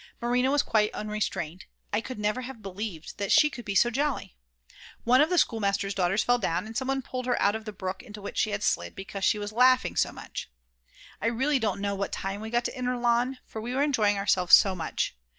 Marina was quite unrestrained, I could never have believed that she could be so jolly. One of the schoolmaster's daughters fell down, and some one pulled her out of the brook into which she had slid because she was laughing so much. I really don't know what time we got to Inner Lahn, for we were enjoying ourselves so much.